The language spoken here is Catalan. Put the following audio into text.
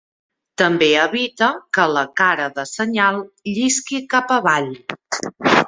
També evita que la cara de senyal llisqui cap avall.